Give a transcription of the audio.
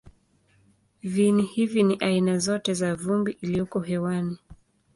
Viini hivi ni aina zote za vumbi iliyoko hewani.